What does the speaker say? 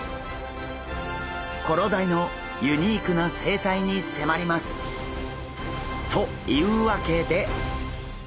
コロダイのユニークな生態に迫ります！というわけで！